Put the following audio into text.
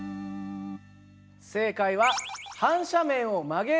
正解は。